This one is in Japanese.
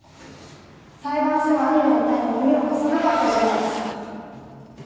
裁判所は兄の訴えに耳を貸さなかったじゃないですか。